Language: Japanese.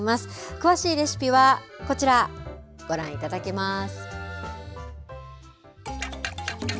詳しいレシピはこちら、ご覧いただけます。